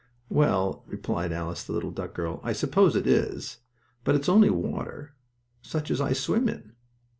"Well," replied the little duck girl. "I suppose it is. But it's only water, such as I swim in."